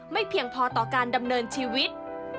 เพียงพอต่อการดำเนินชีวิต